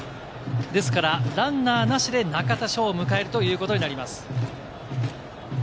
ですからランナーなしで中田翔を迎えるということになります。